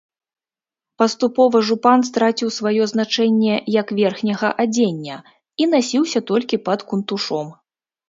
Паступова жупан страціў сваё значэнне як верхняга адзення і насіўся толькі пад кунтушом.